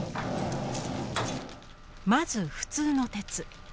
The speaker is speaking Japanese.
まず普通の鉄。